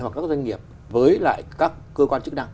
hoặc các doanh nghiệp với lại các cơ quan chức năng